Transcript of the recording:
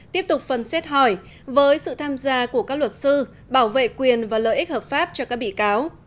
tiếp tục phần xét hỏi với sự tham gia của các luật sư bảo vệ quyền và lợi ích hợp pháp cho các bị cáo